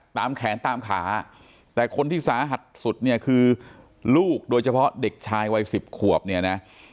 ตามแขนตามขาแต่คนที่สาหัสสุดเนี่ยคือลูกโดยเฉพาะเด็กชายวัย๑๐ขวบเนี่ยนะ